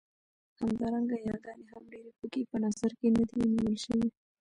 همدارنګه ياګانې هم ډېرې پکې په نظر کې نه دي نيول شوې.